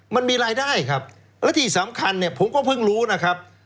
มันมีรายได้ครับและที่สำคัญเนี่ยผมก็เพิ่งรู้นะครับ